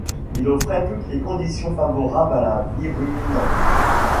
Il offrait toutes les conditions favorables à la vie ruminante.